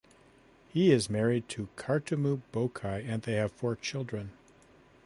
He is married to Kartumu Boakai and they have four children.